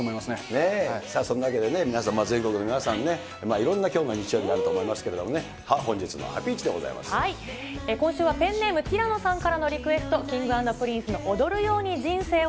そんなわけでね、皆さん、全国の皆さんね、いろんなきょうの日曜日があると思いますけど、本日のハピイチで今週はペンネーム、てぃらのさんからのリクエスト、Ｋｉｎｇ＆Ｐｒｉｎｃｅの、踊るように人生を。